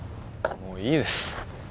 もういいです